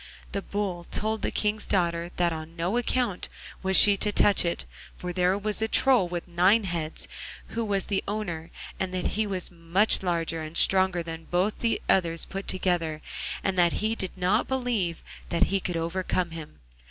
The Bull told the King's daughter that on no account was she to touch it, for there was a Troll with nine heads who was the owner, and that he was much larger and stronger than both the others put together, and that he did not believe that he could overcome him.